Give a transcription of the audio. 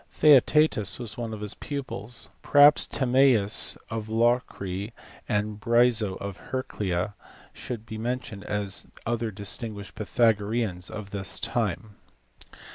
Theaetetus was one of his pupils. Perhaps Timaeus of Locri and Bryso of Heraclea should be mentioned as other distinguished Pvthagoreans of this time.